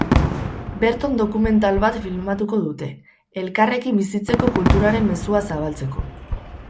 Berton dokumental bat filmatuko dute, elkarrekin bizitzeko kulturaren mezua zabaltzeko.